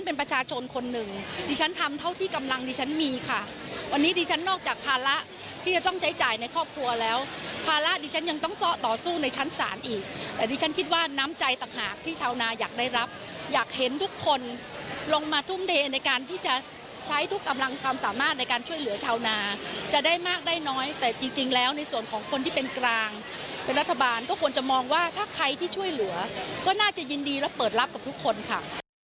เป็นรัฐบาลก็ควรจะมองว่าถ้าใครที่ช่วยเหลือก็น่าจะยินดีแล้วเปิดลับกับทุกคนค่ะ